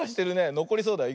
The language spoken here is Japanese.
のこりそうだよ。